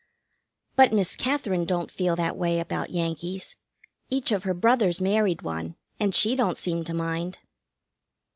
But Miss Katherine don't feel that way about Yankees. Each of her brothers married one, and she don't seem to mind.